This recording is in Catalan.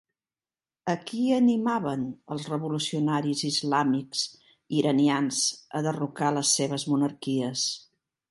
A qui animaven els revolucionaris islàmics iranians a derrocar les seves monarquies?